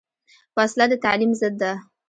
وسله د تعلیم ضد ده